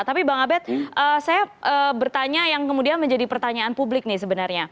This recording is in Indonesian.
tapi bang abed saya bertanya yang kemudian menjadi pertanyaan publik nih sebenarnya